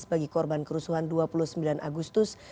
bagi korban kerusuhan dua puluh sembilan agustus